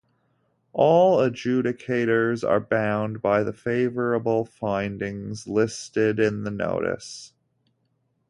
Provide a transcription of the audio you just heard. All adjudicators are bound by the favorable findings listed in the notice.